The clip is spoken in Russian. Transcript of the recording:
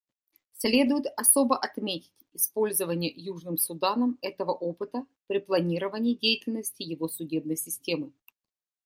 Следует особо отметить использование Южным Суданом этого опыта при планировании деятельности его судебной системы.